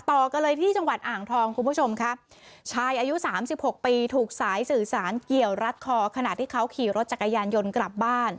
ต่อกันเลยที่จังหวัดอ่างทองคุณผู้ชมครับชายอายุสามสิบหกปีถูกสายสื่อสารเกี่ยวรัดคอขณะที่เขาขี่รถจักรยานยนต์กลับบ้าน